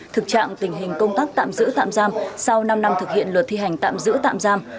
thực trạng tình hình công tác tạm giữ tạm giam sau năm năm thực hiện luật thi hành tạm giữ tạm giam